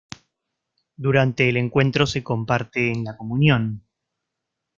Durante el encuentro se comparte en la comunión.